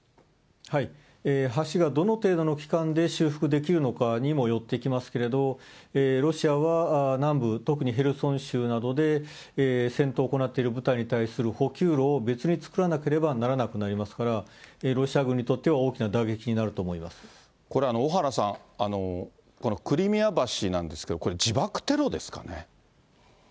橋がどの程度の期間で修復できるのかにもよってきますけれども、ロシアは南部、特にヘルソン州などで戦闘を行っている部隊に対する補給路を別に作らなければならなくなりますから、ロシア軍にとっては大きな打小原さん、このクリミア橋なんですけど、これ、自爆テロですかね。